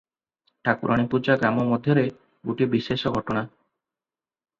ଠାକୁରାଣୀ ପୂଜା ଗ୍ରାମ ମଧ୍ୟରେ ଗୋଟିଏ ବିଶେଷ ଘଟଣା ।